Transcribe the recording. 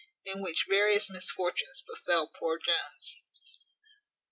In which various misfortunes befel poor Jones.